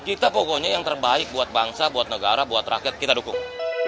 kita pokoknya yang terbaik buat bangsa buat negara buat rakyat kita dukung